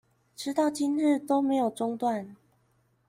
直到今日都沒有中斷